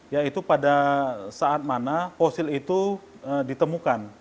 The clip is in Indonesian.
yaitu pada saat mana fosil itu ditemukan